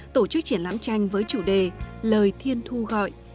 tổ chức triển lãm tranh với chủ đề lời thiên thu gọi